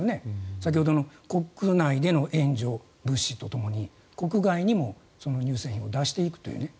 先ほどの国内での援助物資とともに国外にも乳製品を出していくというね。